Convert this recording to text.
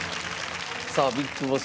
さあＢＩＧＢＯＳＳ。